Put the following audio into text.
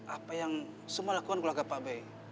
apa yang semua lakukan keluarga pak be